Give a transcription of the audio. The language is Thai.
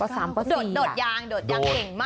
โดดยางโดดยางเก่งมาก